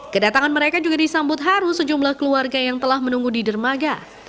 kedatangan mereka juga disambut haru sejumlah keluarga yang telah menunggu di dermaga